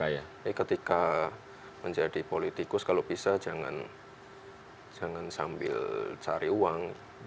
jadi ketika menjadi politikus kalau bisa jangan sambil cari uang